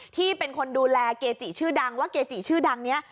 ที่เป็นคนดูแลเกจิชื่อดังว่าเกจิชื่อดังนี้